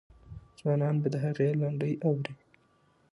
ځوانان به د هغې لنډۍ اوري.